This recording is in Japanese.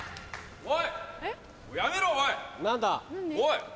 おい！